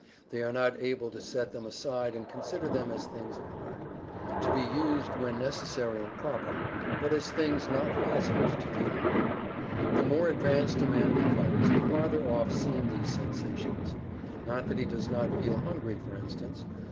They are not able to set them aside and consider them as things apart, to be used when necessary and proper, but as things not fastened to the "I." The more advanced a man becomes the farther off seem these sensations. Not that he does not feel hungry, for instance.